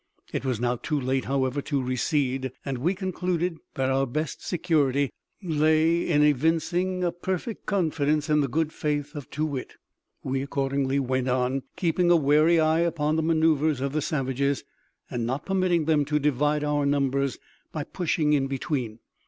It was now too late, however, to recede, and we concluded that our best security lay in evincing a perfect confidence in the good faith of Too wit. We accordingly went on, keeping a wary eye upon the manoeuvres of the savages, and not permitting them to divide our numbers by pushing in between.